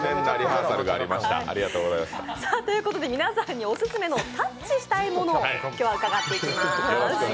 ということで皆さんにオススメのタッチしたいものを、今日は伺っていきます。